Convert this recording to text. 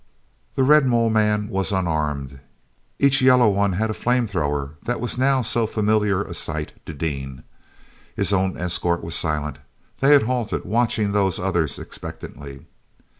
The red mole man was unarmed; each yellow one had a flame thrower that was now so familiar a sight to Dean. His own escort was silent; they had halted, watching those others expectantly.